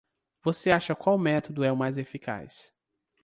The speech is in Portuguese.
Você acha qual método é o mais eficaz?